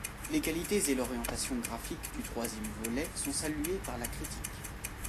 Les qualités et l’orientation graphique du troisième volet sont saluées par la critique.